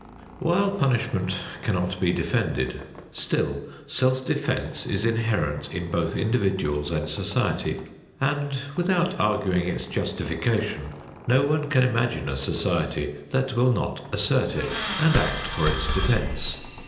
While punishment cannot be defended, still self defense is inherent in both individuals and society and, without arguing its justification, no one can imagine a society that will not assert it and act for its defense.